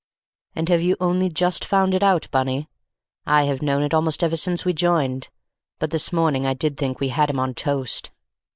"And have you only just found it out, Bunny? I have known it almost ever since we joined; but this morning I did think we had him on toast."